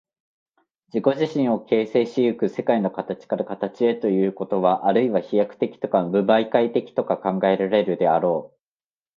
自己自身を形成し行く世界の形から形へということは、あるいは飛躍的とか無媒介的とか考えられるであろう。